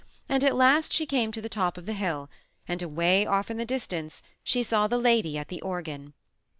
and at last she came to the top of the hill, and awav off in the distance she saw the lady at the organ.